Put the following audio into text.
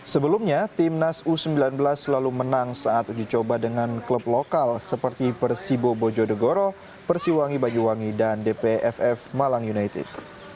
sebelumnya timnas u sembilan belas selalu menang saat uji coba dengan klub lokal seperti persibo bojodegoro persiwangi banyuwangi dan dpf malang united